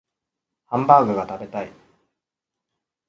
ハンバーグが食べたい